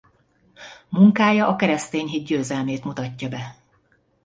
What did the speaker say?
Munkája a keresztény hit győzelmét mutatja be.